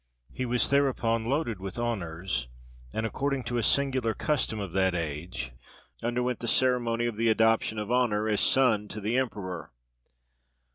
He was thereupon loaded with honours, and, according to a singular custom of that age, underwent the ceremony of the "adoption of honour" as son to the emperor.